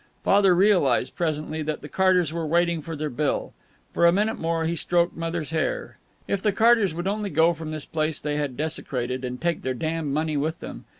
Father realized, presently, that the Carters were waiting for their bill. For a minute more he stroked Mother's hair. If the Carters would only go from this place they had desecrated, and take their damned money with them!